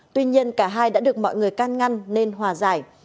tuy nhiên cả hai đã được mọi người can ngăn nên hòa giải